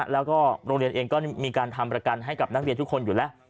แล้วก็โรงเรียนเองก็มีการทำประกันให้กับนักเรียนทุกคนอยู่แล้ว